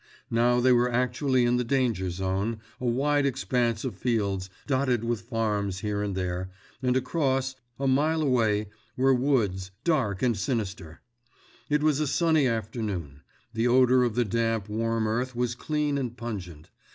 Now they were actually in the danger zone—a wide expanse of fields, dotted with farms here and there, and across, a mile away, were woods, dark, sinister. It was a sunny afternoon; the odor of the damp, warm earth was clean and pungent.